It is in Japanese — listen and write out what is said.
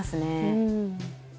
うん。